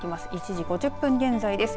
１時５０分現在です。